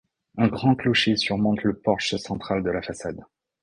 Un grand clocher surmonte le porche central de la façade.